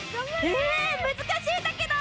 え難しいんだけど。